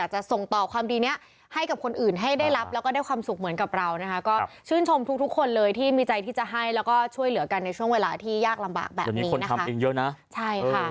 ชื่นชมทุกคนเลยที่มีใจที่จะให้แล้วก็ช่วยเหลือกันในช่วงเวลาที่ยากลำบากแบบนี้นะคะ